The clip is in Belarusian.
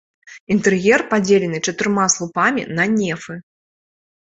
Інтэр'ер падзелены чатырма слупамі на нефы.